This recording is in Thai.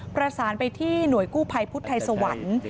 ประสานไปที่หน่วยกู้ภัยพุทธไทยสวรรค์